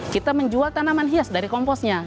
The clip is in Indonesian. kita menjual tanaman hias dari komposnya